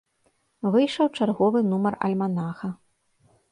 Выйшаў чарговы нумар альманаха.